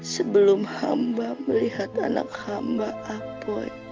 sebelum hamba melihat anak hamba apoi